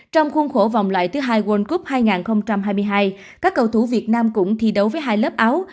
trong khuôn khổ vòng loại thứ hai world cup hai nghìn hai mươi hai các cầu thủ việt nam cũng thi đấu với hai lớp áo